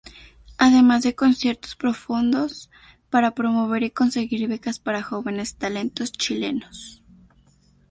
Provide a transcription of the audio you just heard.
Además de conciertos pro-fondos para promover y conseguir becas para jóvenes talentos chilenos.